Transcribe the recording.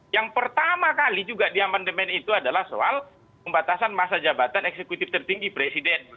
yang pertama kali juga di amandemen itu adalah soal pembatasan masa jabatan eksekutif tertinggi presiden